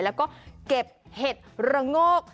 แล้วก็เก็บเห็ดระโงก